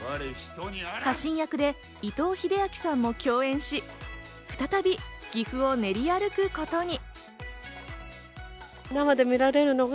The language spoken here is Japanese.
家臣役で伊藤英明さんも共演し、再び岐阜を練り歩くことに。